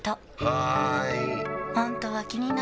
はーい！